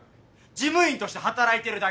事務員として働いてるだけ。